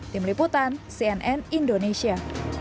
tim liputan cnn indonesia